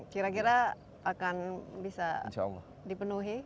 kira kira akan bisa dipenuhi